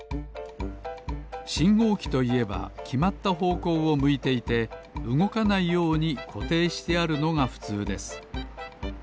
しんごうきといえばきまったほうこうをむいていてうごかないようにこていしてあるのがふつうです。